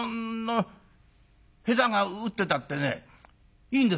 下手が打ってたってねいいんです